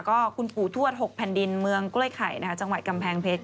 ก็คุณปู่ทวด๖แผ่นดินเมืองกล้วยไข่จังหวัดกำแพงเพชร